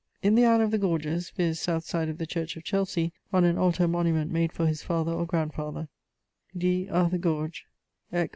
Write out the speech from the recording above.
In the aisle of the Gorges, viz. south side of the church of Chelsey on an altar monument made for his father or grandfather 'Dˢ. Arthur Gorge, eq.